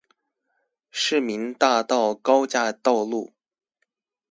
市民大道高架道路